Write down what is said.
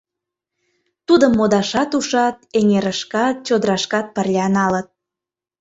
Тудым модашат ушат, эҥерышкат, чодырашкат пырля налыт.